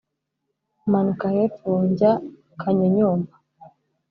manuka hepfo njya kanyonyomba